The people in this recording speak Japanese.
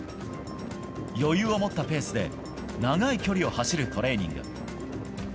余裕を持ったペースで、長い距離を走るトレーニング。